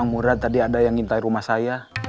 ketemu rat tadi ada yang ngintai rumah saya